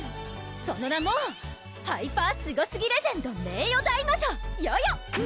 その名もハイパースゴスギレジェンド名誉大魔女・ヨヨ！